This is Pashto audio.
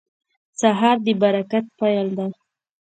سهار د برکت پیل دی.